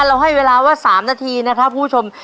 เราให้เวลาว่า๓นาทีนะครับคุณผู้ชม